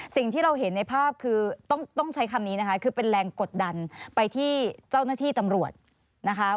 สิ่งที่เราเห็นในภาพคือต้องใช้คำนี้นะคะคือเป็นแรงกดดันไปที่เจ้าหน้าที่ตำรวจนะคะ